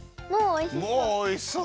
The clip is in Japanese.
もうおいしそう。